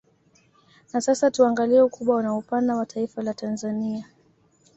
Na sasa tuangalie ukubwa na upana wa Taifa la Tanzania